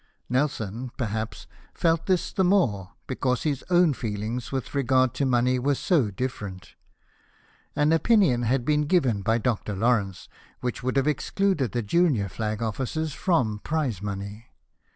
Nelson, perhaps, felt this the more, because his own feelings with regard to money were so different. An opinion had been given by Dr. Lawrence, which would have excluded the junior flag officers from prize money.